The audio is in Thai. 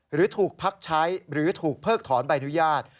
หรือถูกพักใช้หรือถูกเพิกถอนใบอนุญาต